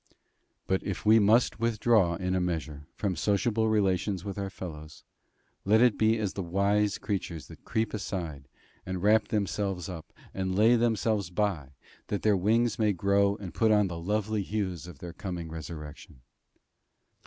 But if we must withdraw in a measure from sociable relations with our fellows, let it be as the wise creatures that creep aside and wrap themselves up and lay themselves by that their wings may grow and put on the lovely hues of their coming resurrection.